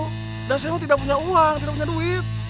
udah saya mah tidak punya uang tidak punya duit